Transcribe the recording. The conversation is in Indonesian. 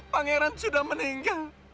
pangeran sudah meninggal